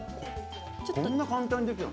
こんな簡単にできる。